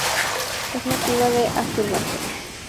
Es nativa de Azerbaijan, Georgia y norte de Irán.